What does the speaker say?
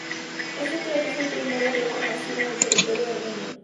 Este teatro fue el primer de otra nación en el territorio de Armenia.